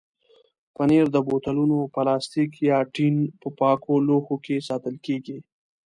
پنېر د بوتلونو، پلاستیک یا ټین په پاکو لوښو کې ساتل کېږي.